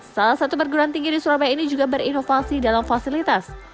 salah satu perguruan tinggi di surabaya ini juga berinovasi dalam fasilitas